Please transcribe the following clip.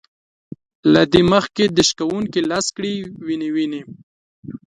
له دې مخکې د شکوونکي لاس کړي وينې وينې